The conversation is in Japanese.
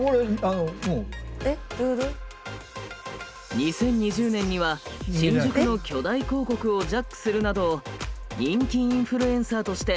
２０２０年には新宿の巨大広告をジャックするなど人気インフルエンサーとして世界を席けんし続けています。